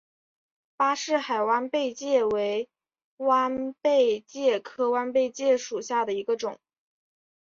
巴士海弯贝介为弯贝介科弯贝介属下的一个种。